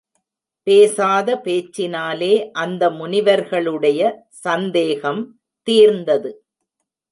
பேசாத பேச்சினாலே அந்த முனிவர்களுடைய சந்தேகம் தீர்ந்தது.